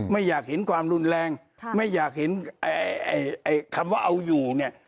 ไม่อยากเห็นความรุนแรงไม่อยากเห็นไอ้คำว่าเอาอยู่เนี่ย